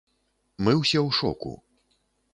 Мы ўсе ў шоку.